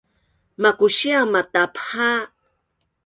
makusia matapha